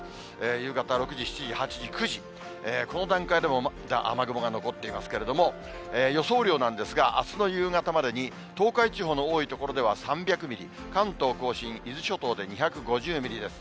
夕方６時、７時、８時、９時、この段階でも雨雲が残っていますけれども、予想雨量なんですが、あすの夕方までに、東海地方の多い所では３００ミリ、関東甲信、伊豆諸島で２５０ミリです。